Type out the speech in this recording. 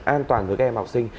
an toàn với các em học sinh